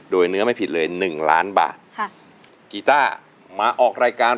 โดยเนื้อไม่ผิดเลยหนึ่งล้านบาทค่ะกีต้ามาออกรายการ